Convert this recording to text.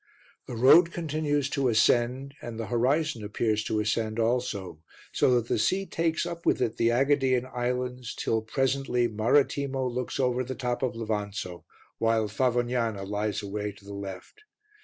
The road continues to ascend and the horizon appears to ascend also, so that the sea takes up with it the AEgadean islands till, presently, Marettimo looks over the top of Levanzo, while Favognana lies away to the left.